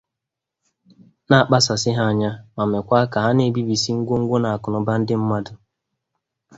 na-akpasàsị ha anya ma mekwa ka ha na-ebibìsi ngwongwo na akụnụba ndị mmadụ